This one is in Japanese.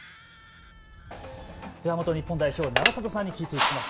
元日本代表、永里さんに聞いていきます。